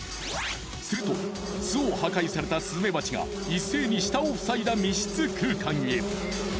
すると巣を破壊されたスズメバチが一斉に下を塞いだ密室空間へ。